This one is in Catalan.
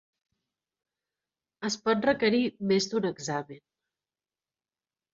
Es pot requerir més d'un examen.